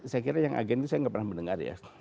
saya kira yang agen itu saya nggak pernah mendengar ya